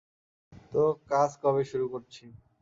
তো, কাজ কবে শুরু করছি?